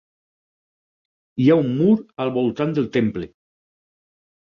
Hi ha un mur al voltant del temple.